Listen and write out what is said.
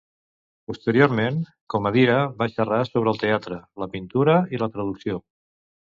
Posteriorment, Comadira va xerrar sobre el teatre, la pintura i la traducció.